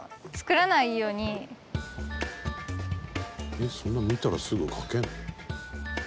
「えっそんな見たらすぐ書けるの？」